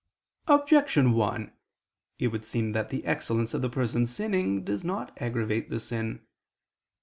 Objection 1: It would seem that the excellence of the person sinning does not aggravate the sin.